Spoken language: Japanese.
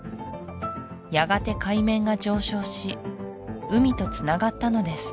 やがて海面が上昇し海とつながったのです